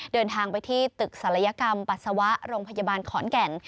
เดินทางไปที่ตึกศัลยกรรมปัสสาวะโรงพยาบาลขอนแก่น